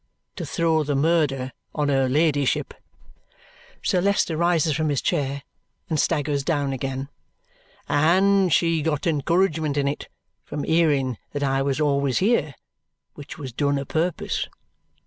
To throw the murder on her ladyship." Sir Leicester rises from his chair and staggers down again. "And she got encouragement in it from hearing that I was always here, which was done a purpose.